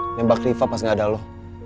nyebak riva pas gak ada lo